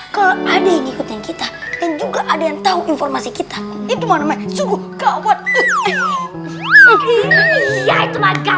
kalau ada yang ikutin kita dan juga ada yang tahu informasi kita itu mana main